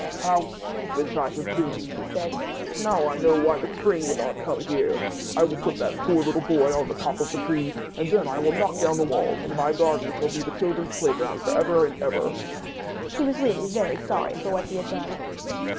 *'How selfish I have been!*' he said; ''now I know why the Spring would not come here. I will put that poor little boy on the top of the tree, and then I will knock down the wall, and my garden shall be the children's playground for ever and ever." He was really very sorry for what he had done.